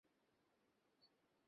না, নাইজেল, ওদিকে না।